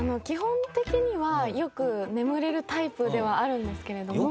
基本的にはよく眠れるタイプではあるんですけれども。